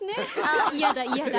あ嫌だ嫌だ。